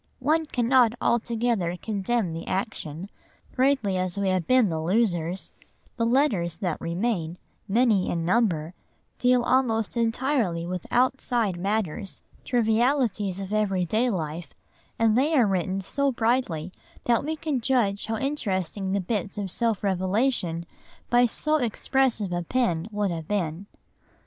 One cannot altogether condemn the action, greatly as we have been the losers; the letters that remain, many in number, deal almost entirely with outside matters, trivialities of everyday life, and they are written so brightly that we can judge how interesting the bits of self revelation by so expressive a pen would have been.